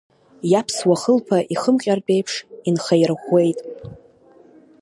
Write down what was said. Иаԥсуа хылԥа ихымҟьартә еиԥш инеихаирӷәӷәеит.